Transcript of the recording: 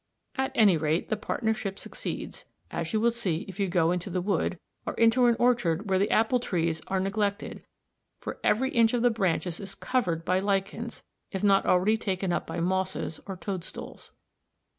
At any rate the partnership succeeds, as you will see if you go into the wood, or into an orchard where the apple trees are neglected, for every inch of the branches is covered by lichens if not already taken up by mosses or toadstools.